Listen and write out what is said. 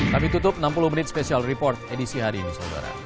kami tutup enam puluh menit special report edisi hari ini saudara